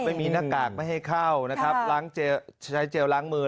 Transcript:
ไม่มีหน้ากากไม่ให้เข้านะครับใช้เจลล้างมือ